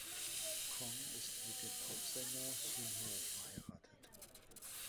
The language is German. Kong ist mit dem Popsänger Sun Ho verheiratet.